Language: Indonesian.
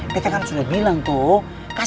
bete kan sudah bilang tuh